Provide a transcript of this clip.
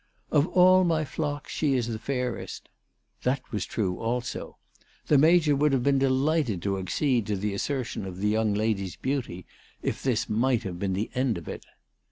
" Of all my flock she is the fairest." That was true also. The Major would have been delighted to accede to the assertion of the young lady's beauty, if this might have been the end of it.